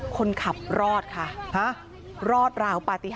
คนขับรอดค่ะ